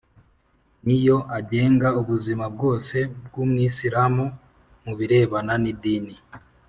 ni yo agenga ubuzima bwose bw’umwisilamu mu birebana n’idini